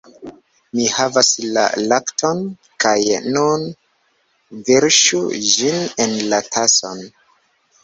Mi havas la lakton, kaj nun... verŝu ĝin en la tason...